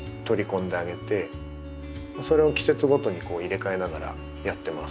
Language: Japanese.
それを季節ごとに入れ替えながらやってます。